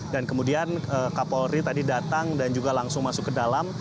dan kemudian kapolri tadi datang dan juga langsung masuk ke dalam